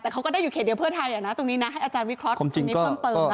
แต่เขาก็ได้อยู่เขตเดียวเพื่อไทยตรงนี้นะให้อาจารย์วิเคราะห์ทีนี้เพิ่มเติมนะ